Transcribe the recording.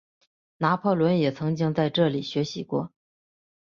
拿破仑也曾经在这里学习过。